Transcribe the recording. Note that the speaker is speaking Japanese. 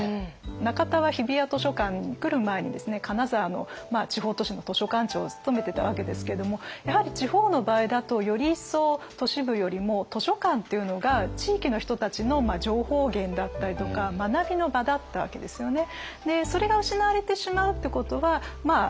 中田は日比谷図書館に来る前にですね金沢の地方都市の図書館長を務めてたわけですけどもやはり地方の場合だとより一層都市部よりも図書館っていうのが地域の人たちの情報源だったりとか学びの場だったわけですよね。